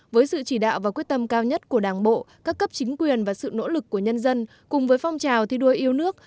với sự chỉ đạo và quyết tâm cao nhất của đảng bộ các cấp chính quyền và sự nỗ lực của nhân dân cùng với phong trào thi đua yêu nước